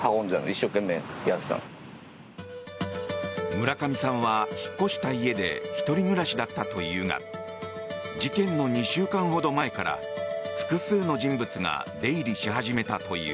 村上さんは引っ越した家で１人暮らしだったというが事件の２週間ほど前から複数の人物が出入りし始めたという。